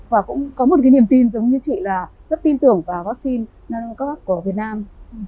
và cũng có một cái niềm tin giống như chị là rất tin tưởng vào vaccine các bác của việt nam